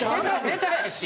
ネタやし。